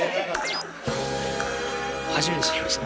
初めて知りました。